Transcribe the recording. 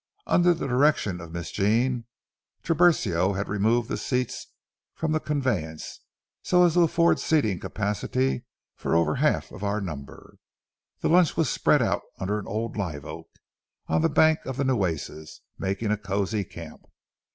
Under the direction of Miss Jean, Tiburcio had removed the seats from the conveyance, so as to afford seating capacity for over half our number. The lunch was spread under an old live oak on the bank of the Nueces, making a cosy camp.